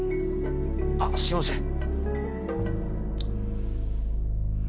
ああすいません。